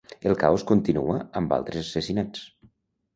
El caos continua amb altres assassinats.